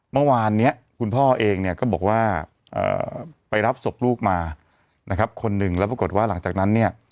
เมื่อวานเนี้ยคุณพ่อเองเนี่ยก็บอกว่าไปรับศพลูกมานะครับคนหนึ่งแล้วปรากฏว่าหลังจากนั้นเนี่ย